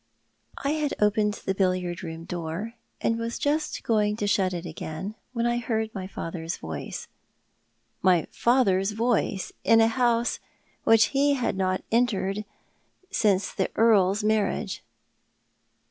I had opened the billiard room door, and was just going to shut it again when I heard my father's voice. My fiither's voice in a house which he had not entered since the Earl's marriage